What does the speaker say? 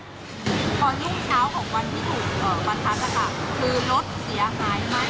ตอนนี้เช้าของวันที่ถูกประทัดคือรถเสียหายไหม